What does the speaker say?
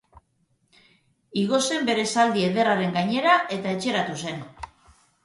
Igo zen bere zaldi ederraren gainera eta etxeratu zen.